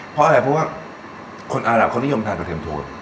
เพราะอะไรเพราะว่าคนอารับเขานิยมทานกระเทียมทู